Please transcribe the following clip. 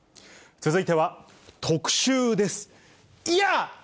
続いては、特集です。